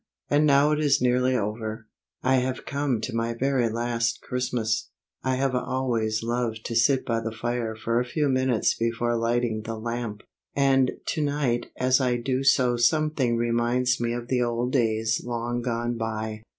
And now it is nearly over; I have come to my very last Christmas. I have always loved to sit by the fire for a few minutes before lighting the lamp; and to night as I do so something reminds me of the old days long gone by.